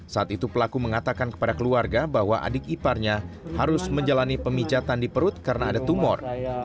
saat itu pelaku mengatakan kepada keluarga bahwa adik iparnya harus menjalani pemijatan di perut karena ada tumor